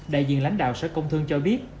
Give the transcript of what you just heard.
đại diện lãnh đạo sở công thương cho biết